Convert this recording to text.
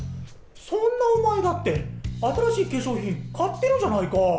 そんなおまえだって、新しい化粧品、買ってるじゃないか。